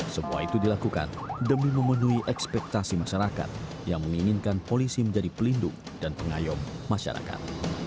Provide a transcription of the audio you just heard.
semua itu dilakukan demi memenuhi ekspektasi masyarakat yang menginginkan polisi menjadi pelindung dan pengayom masyarakat